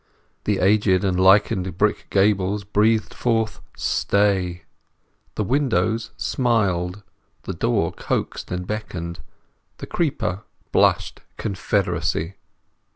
The aged and lichened brick gables breathed forth "Stay!" The windows smiled, the door coaxed and beckoned, the creeper blushed confederacy.